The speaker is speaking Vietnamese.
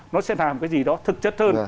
nó sẽ làm cái gì đó thực chất hơn